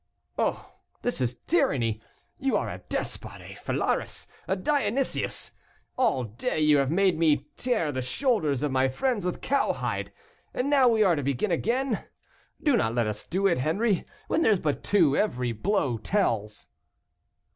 "Oh! this is tyranny. You are a despot, a Phalaris, a Dionysius. All day you have made me tear the shoulders of my friends with cow hide, and now we are to begin again. Do not let us do it, Henri, when there's but two, every blow tells."